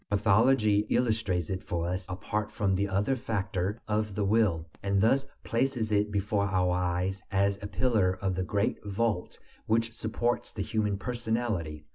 Pathology illustrates it for us apart from the other factor of the will, and thus places it before our eyes as a pillar of the great vault which supports the human personality.